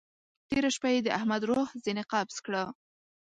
تېره شپه يې د احمد روح ځينې قبض کړه.